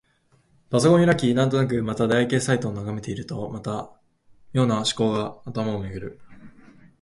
パソコンを開き、なんとなくまた出会い系サイトを眺めているとまた、妙な思考が頭をめぐる。